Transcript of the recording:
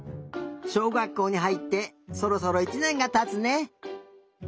しょうがっこうにはいってそろそろ１ねんがたつね。